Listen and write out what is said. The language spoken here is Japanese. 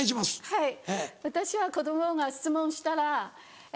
はい。